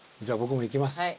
じゃあ僕もいきます。